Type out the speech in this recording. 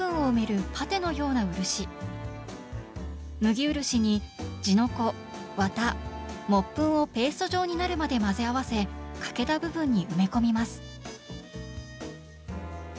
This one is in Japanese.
麦漆に地の粉綿木粉をペースト状になるまで混ぜ合わせ欠けた部分に埋め込みます。